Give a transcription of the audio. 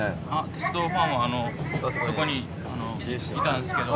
鉄道ファンはそこにいたんすけど。